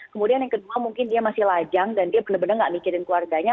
kemudian yang kedua mungkin dia masih lajang dan dia benar benar nggak mikirin keluarganya